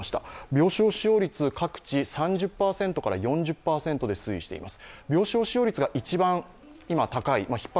病床使用率、各地、３０％から４０％で推移しています。